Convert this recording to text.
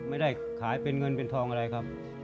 ไม่ได้ขายเป็นเงินเป็นทองอะไรครับ